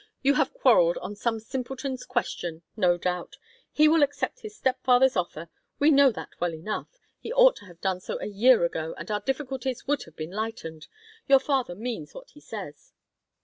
"You have quarrelled on some simpleton's question, no doubt. He will accept his step father's offer; we know that well enough. He ought to have done so a year ago, and our difficulties would have been lightened. Your father means what he says."